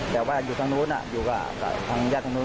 แต่ว่าอยู่ทางนู้นอยู่กับทางญาติทางนู้น